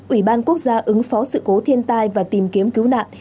ủy ban quốc gia ứng phó sự cố thiên tai và tìm kiếm cứu nạn